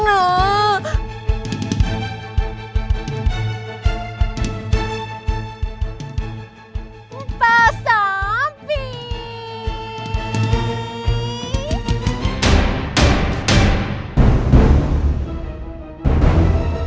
nih tasnya ketinggalan